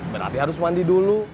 berarti harus mandi dulu